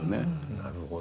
なるほど。